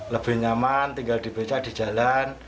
lebih nyaman tinggal di beca di jalan